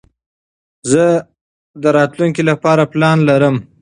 زه د راتلونکي له پاره پلان لرم.